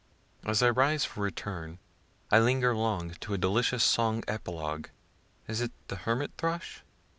As I rise for return, I linger long to a delicious song epilogue (is it the hermit thrush?)